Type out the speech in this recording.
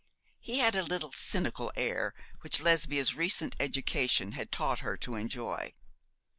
He had a little cynical air which Lesbia's recent education had taught her to enjoy.